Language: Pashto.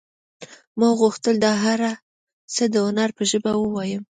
ما غوښتل دا هر څه د هنر په ژبه ووایم